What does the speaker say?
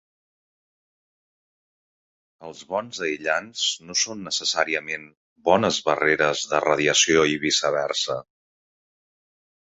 Els bons aïllants no són necessàriament bones barreres de radiació i viceversa.